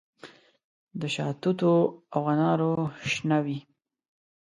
د شاتوتو او انارو شنه وي